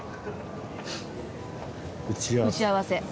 打ち合わせ。